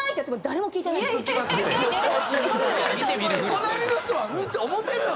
隣の人はうん？って思ってるよ